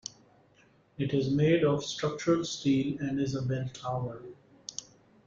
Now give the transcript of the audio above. It is made of structural steel and is a bell tower.